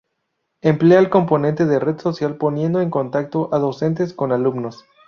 Emplea el componente de red social, poniendo en contacto a docentes con alumnos.